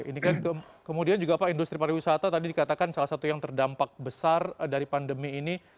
ini kan kemudian juga pak industri pariwisata tadi dikatakan salah satu yang terdampak besar dari pandemi ini